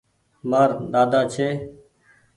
مآر ۮاۮي ڇي۔